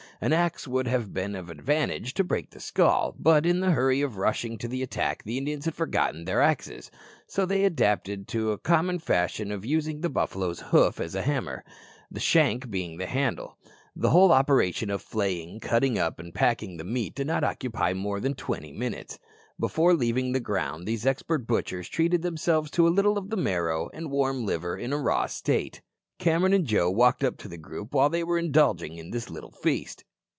An axe would have been of advantage to break the skull, but in the hurry of rushing to the attack the Indians had forgotten their axes; so they adopted the common fashion of using the buffalo's hoof as a hammer, the shank being the handle. The whole operation of flaying, cutting up, and packing the meat did not occupy more than twenty minutes. Before leaving the ground these expert butchers treated themselves to a little of the marrow and warm liver in a raw state! Cameron and Joe walked up to the group while they were indulging in this little feast.